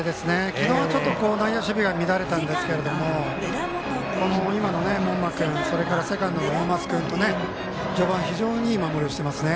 昨日、ちょっと内野守備が乱れたんですけども今の門間君それからセカンドの大舛君と非常にいい守りをしていますね。